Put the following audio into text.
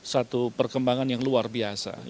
satu perkembangan yang luar biasa